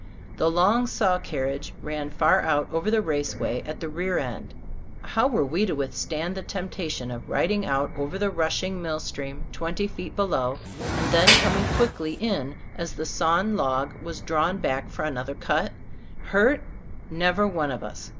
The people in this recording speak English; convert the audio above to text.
The long saw carriage ran far out over the raceway at the rear end. How were we to withstand the temptation of riding out over the rushing mill stream twenty feet be low, and then coming quickly in as the sawn log was drawn back for another Cbe Store of Ant Cbitt>boo& 57 cut? Hurt? Never one of us.